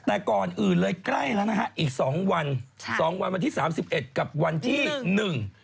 แต่ก่อนอื่นเลยใกล้แล้วนะฮะอีกสองวันใช่สองวันวันที่สามสิบเอ็ดกับวันที่หนึ่ง